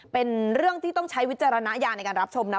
เป็นเรื่องที่ต้องใช้วิจารณญาณในการรับชมนะ